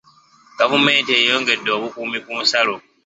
Gavumenti eyongedde obukuumi ku nsalo.